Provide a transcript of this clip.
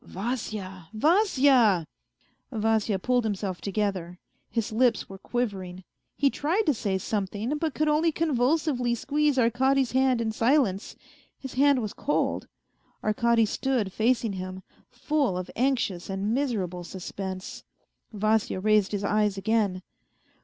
" Vasya ! Vasya !" Vasya pulled himself together. His lips were quivering; he tried to say something, but could only convulsively squeeze Arkady's hand in silence. His hand was cold. Arkady stood facing him, full of anxious and miserable suspense. Vasya raised his eyes again.